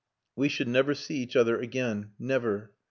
We should never see each other again. Never!